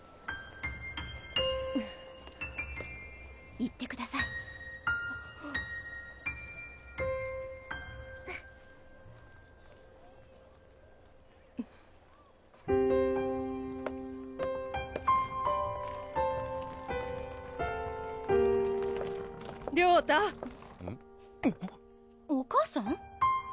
行ってください・亮太・おかあさん？